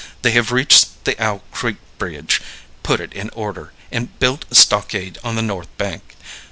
They have reached the Owl Creek Bridge, put it in order, and built a stockade on the north bank.